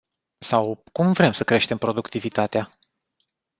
Sau cum vrem să creștem productivitatea?